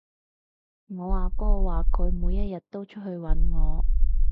我阿哥話佢每一日都出去搵我